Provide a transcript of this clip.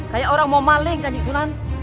kayak orang mau maling kak jisunan